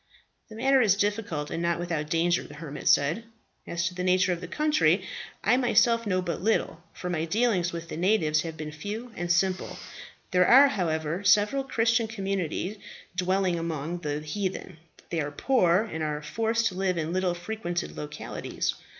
"The matter is difficult and not without danger," the hermit said. "As to the nature of the country, I myself know but little, for my dealings with the natives have been few and simple. There are, however, several Christian communities dwelling among the heathen. They are poor, and are forced to live in little frequented localities.